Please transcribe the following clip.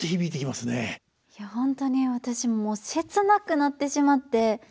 本当に私もう切なくなってしまって。